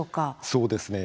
そうですね。